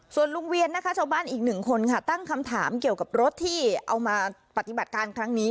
ส่วนลุงเวียนนะคะชาวบ้านอีกหนึ่งคนค่ะตั้งคำถามเกี่ยวกับรถที่เอามาปฏิบัติการครั้งนี้